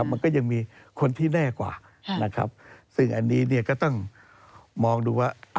มันก็ยังมีคนที่แน่กว่าซึ่งอันนี้ก็ต้องมองดูว่า